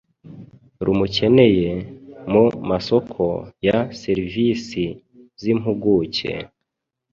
rumukeneye, mu masoko ya serivisi z’impuguke,